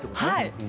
はい。